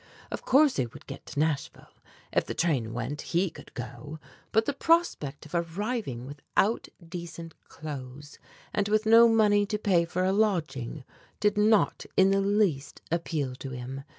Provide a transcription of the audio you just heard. Of course he would get to Nashville, if the train went, he could go, but the prospect of arriving without decent clothes and with no money to pay for a lodging, did not in the least appeal to him.